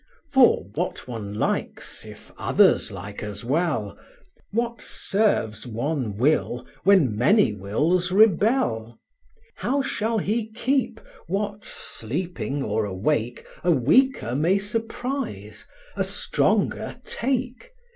For, what one likes if others like as well, What serves one will when many wills rebel? How shall he keep, what, sleeping or awake, A weaker may surprise, a stronger take?